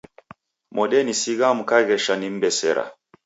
Modenisigha mkaghesha nimmbesera.